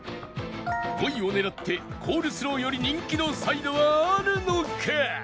５位を狙ってコールスローより人気のサイドはあるのか？